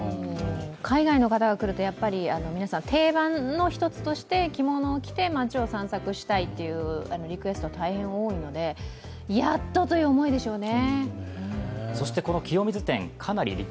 海外の方が来ると、定番の一つとして着物を着て街を散策したいというリクエストが大変多いので、やっとという思いですね。